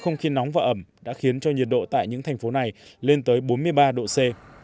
không khí nóng và ẩm đã khiến cho nhiệt độ tại những thành phố này lên tới bốn mươi ba độ c